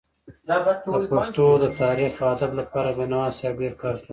د پښتو د تاريخ او ادب لپاره بينوا صاحب ډير کار کړی دی.